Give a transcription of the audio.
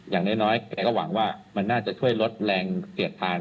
อย่างน้อยแกก็หวังว่ามันน่าจะช่วยลดแรงเสียดทาน